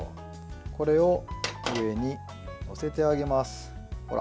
これを上に載せてあげます。